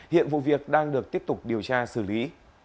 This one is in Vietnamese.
hiện vụ việc đang được tiếp tục điều tra xử lý